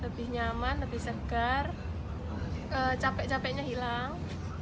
lebih nyaman lebih segar capek capeknya hilang